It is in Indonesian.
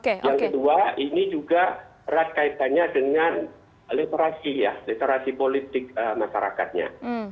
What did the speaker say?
yang kedua ini juga erat kaitannya dengan literasi ya literasi politik masyarakatnya